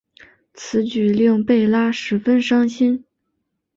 此举令贝拉十分伤心。